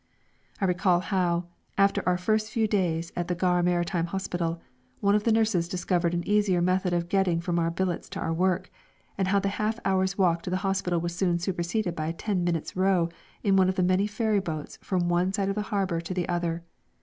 I recall how, after our first few days at the Gare Maritime Hospital, one of the nurses discovered an easier method of getting from our billets to our work, and how the half hour's walk to the hospital was soon superseded by a ten minutes' row in one of the many ferryboats from one side of the harbour to the other.